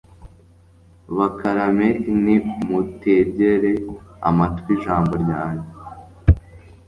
baka lameki nimutegere amatwi ijambo ryanjye